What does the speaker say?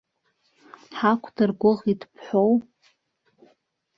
Ҳақәдыргәыӷит бҳәоу?